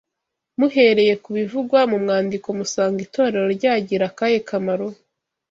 Muhereye ku bivugwa mu mwandiko musanga itorero ryagira akahe kamaro